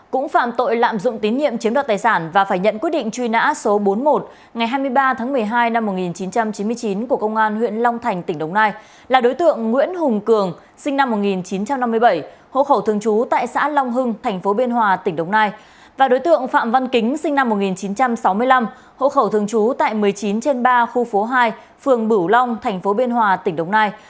cũng phạm tội lạm dụng tín nhiệm chiếm đoạt tài sản và phải nhận quy định truy nã số bốn mươi một ngày hai mươi ba tháng một mươi hai năm một nghìn chín trăm chín mươi chín của công an huyện long thành tỉnh đồng nai là đối tượng nguyễn hùng cường sinh năm một nghìn chín trăm năm mươi bảy hô khẩu thường trú tại xã long hưng thành phố biên hòa tỉnh đồng nai và đối tượng phạm văn kính sinh năm một nghìn chín trăm sáu mươi năm hô khẩu thường trú tại một mươi chín trên ba khu phố hai phường bửu long thành phố biên hòa tỉnh đồng nai